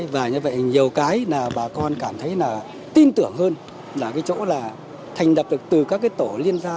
và nhiều cái bà con cảm thấy tin tưởng hơn là cái chỗ là thành đập được từ các tổ liên gia